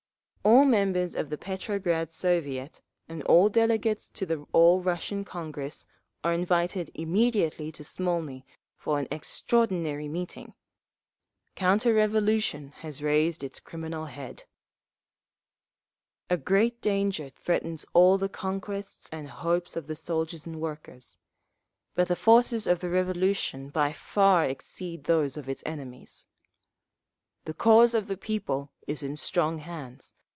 All members of the Petrograd Soviet and all delegates to the All Russian Congress are invited immediately to Smolny for an extraordinary meeting. Counter revolution has raised its criminal head. A great danger threatens all the conquests and hopes of the soldiers and workers. But the forces of the Revolution by far exceed those of its enemies. The cause of the People is in strong hands.